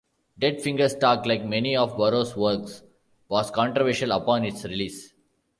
"Dead Fingers Talk", like many of Burroughs' works, was controversial upon its release.